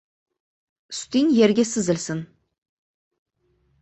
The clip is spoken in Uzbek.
Suting yerga sizilsin.